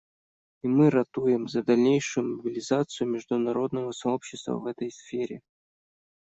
И мы ратуем за дальнейшую мобилизацию международного сообщества в этой сфере.